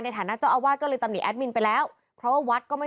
ฐานะเจ้าอาวาสก็เลยตำหนิแอดมินไปแล้วเพราะว่าวัดก็ไม่